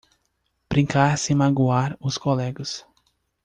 Brincar sem magoar os colegas.